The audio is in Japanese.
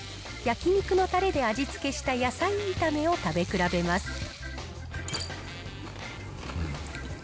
焼肉のたれで味付けした野菜炒めを食べ比べます。